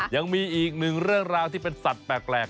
ยังมีอีกหนึ่งเรื่องราวที่เป็นสัตว์แปลก